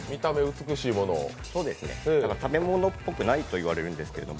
食べ物っぽくないといわれるんですけど。